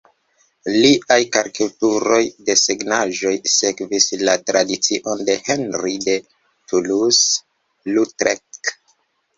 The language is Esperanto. Liaj karikaturoj, desegnaĵoj sekvis la tradicion de Henri de Toulouse-Lautrec.